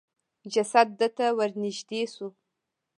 جسد د ته ورنېږدې شو.